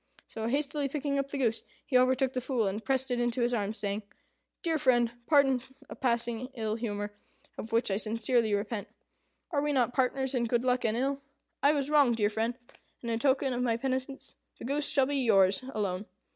So, hastily picking up the goose, he overtook the Fool, and pressed it into his arms, saying, "Dear friend, pardon a passing ill humour, of which I sincerely repent. Are we not partners in good luck and ill? I was wrong, dear friend; and, in token of my penitence, the goose shall be yours alone.